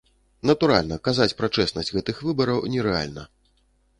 Натуральна, казаць пра чэснасць гэтых выбараў нерэальна.